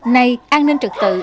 nay an ninh trực tự